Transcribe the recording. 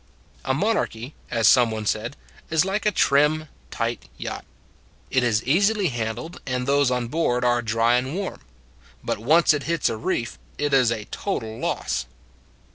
A monarchy, as some one said, is like a trim, tight yacht. It is easily handled, and those on board are dry and warm. But once it hits a reef it is a total loss.